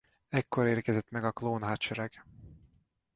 Ekkor érkezett meg a klón hadsereg.